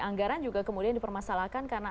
anggaran juga kemudian dipermasalahkan karena